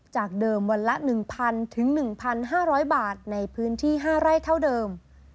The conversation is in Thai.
จากเดิมวันละ๑๐๐๑๕๐๐บาทในพื้นที่๕ไร่เท่าเดิม